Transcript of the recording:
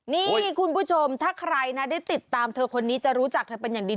นี่คุณผู้ชมถ้าใครนะได้ติดตามเธอคนนี้จะรู้จักเธอเป็นอย่างดี